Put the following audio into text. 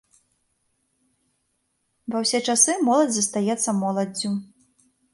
Ва ўсе часы моладзь застаецца моладдзю.